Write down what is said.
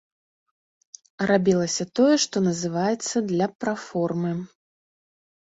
Рабілася тое, што называецца, для праформы.